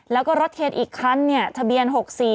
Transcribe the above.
แล้วก็รถเทนอีกคันเนี่ยทะเบียน๖๔